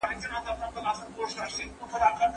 ماشومان د خپلو همزولو سره لوبې کول غواړي.